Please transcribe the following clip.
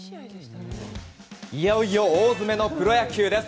いよいよ大詰めのプロ野球です。